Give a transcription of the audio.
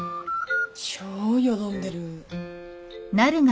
超よどんでる。